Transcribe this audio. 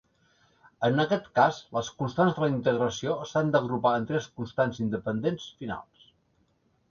En aquest cas, les constants de la integració s'han d'agrupar en tres constants independents finals.